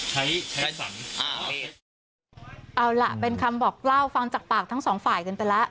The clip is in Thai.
ใช้ใช้ฝันอ่าเอาล่ะเป็นคำบอกเล่าฟังจากปากทั้งสองฝ่ายกันไปแล้ว